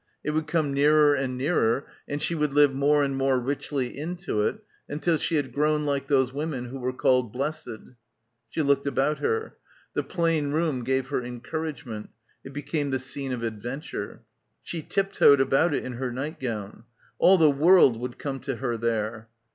It would come nearer and nearer and she would live more and more richly into it until she had grown like those women who were called blessed. ... She looked about her. The plain room gave her encouragement. It became the scene of adventure. She tip toed about it in her night gown. All the world would come to her there.